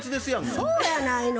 そうやないの。